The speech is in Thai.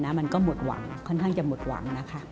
มันก็หมดหวังค่อนข้างจะหมดหวังนะคะ